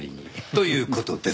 という事です。